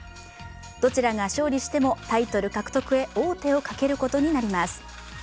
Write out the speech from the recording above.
どちらが勝利しても、タイトル獲得へ王手をかけることになります。